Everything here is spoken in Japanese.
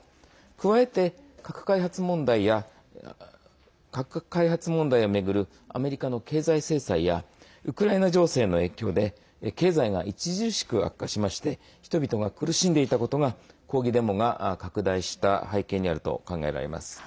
加えて、核開発問題を巡るアメリカの経済制裁やウクライナ情勢の影響で経済が著しく悪化しまして人々が苦しんでいたことが抗議デモが拡大した背景にあると考えられます。